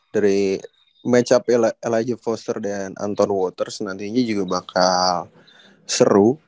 dari match up lg foster dan anton waters nantinya juga bakal seru